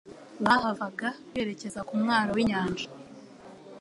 Bahavaga berekeza ku mwaro w'inyanja,